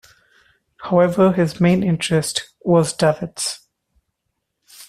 However, his main interest was davits.